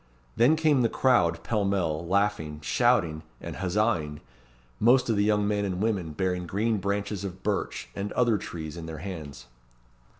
Then came the crowd, pellmell, laughing, shouting, and huzzaing, most of the young men and women bearing green branches of birch and other trees in their hands.